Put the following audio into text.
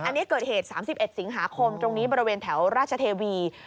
ใช่อันนี้เกิดเหตุ๓๑สิงหาคมตรงนี้เมื่อเรียนแถวราชเทวี